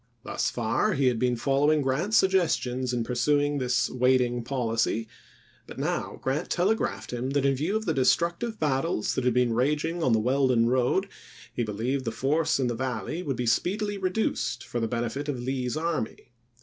Thus far he had been following Grant's suggestions in pursuing this waiting policy; but now Grant telegraphed him that in view of the destructive battles that had Badeau, ^^ mstoiyof ^een raging on the Weldon road, he believed the GranSt." force in the Valley would speedily be reduced for Vp!' 24L' the benefit of Lee's army.